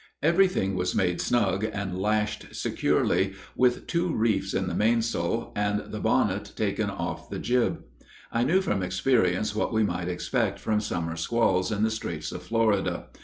Everything was made snug and lashed securely, with two reefs in the mainsail, and the bonnet taken off the jib. I knew from experience what we might expect from summer squalls in the straits of Florida.